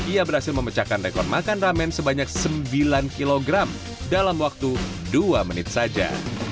ia berhasil memecahkan rekor makan ramen sebanyak sembilan kg dalam waktu dua menit saja